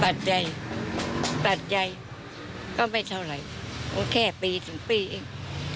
ปัจจัยปัจจัยก็ไม่เท่าไหร่มันแค่ปีถึงปีเอง